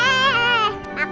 papa siap pak